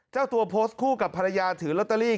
เจ้าตัวโพสต์คู่กับภรรยาถือลอตเตอรี่